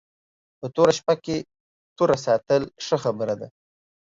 په توره شپه کې توره ساتل ښه خبره ده